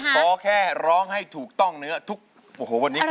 ขอแค่ร้องให้ถูกต้องเนื้อทุกโอ้โหวันนี้ก็